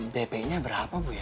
dp nya berapa bu ya